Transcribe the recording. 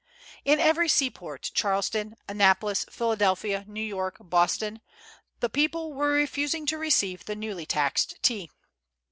In every seaport Charleston, Annapolis, Philadelphia, New York, Boston the people were refusing to receive the newly taxed tea.